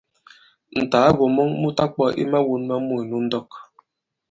Ǹtàagò mɔn mu ta-kwɔ̄ i mawōn ma mût nu ndɔk.